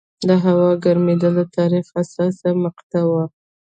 د هوا ګرمېدل د تاریخ حساسه مقطعه وه.